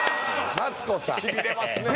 マツコさん